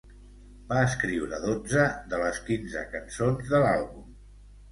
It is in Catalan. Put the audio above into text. Va escriure dotze de les quinze cançons de l'àlbum.